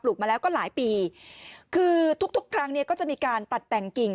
มาแล้วก็หลายปีคือทุกทุกครั้งเนี่ยก็จะมีการตัดแต่งกิ่ง